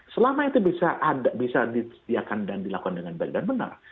selama itu bisa disediakan dan dilakukan dengan baik dan benar